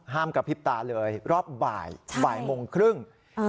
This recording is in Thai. กระพริบตาเลยรอบบ่ายบ่ายโมงครึ่ง